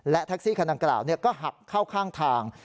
และแท็กซี่ขนาดกล่าวก็หักเข้าข้างทาง